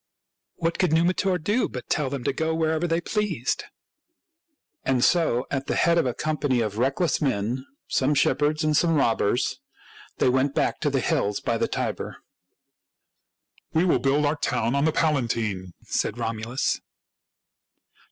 What could Numitor do but tell them to go wherever they pleased ? And so, at the head of a company of reckless men, — some shepherds and some robbers, — they went back to the hills by the Tiber. " We will build our town on the Palatine," said Romulus.